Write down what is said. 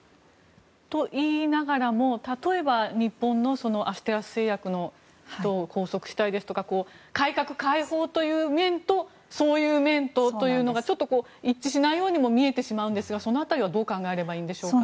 と言いながらも、例えば日本のアステラス製薬の人を拘束したりですとか改革開放という面とそういう面とというのがちょっと一致しないようにも見えてしまうんですがその辺りはどう考えればいいんでしょうか。